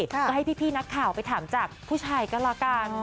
ก็ให้พี่นักข่าวไปถามจากผู้ชายก็แล้วกัน